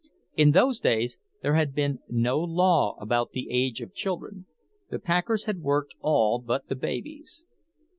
In those days there had been no law about the age of children—the packers had worked all but the babies.